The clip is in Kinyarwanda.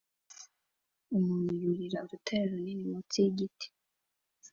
Umuntu yurira urutare runini munsi yigiti